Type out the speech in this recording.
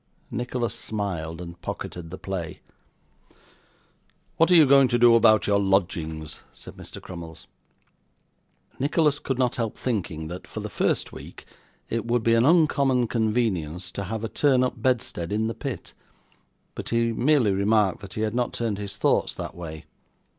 Nicholas smiled and pocketed the play. 'What are you going to do about your lodgings?' said Mr. Crummles. Nicholas could not help thinking that, for the first week, it would be an uncommon convenience to have a turn up bedstead in the pit, but he merely remarked that he had not turned his thoughts that way.